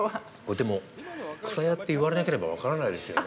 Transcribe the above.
でも、くさやって言われなければ分からないですよね。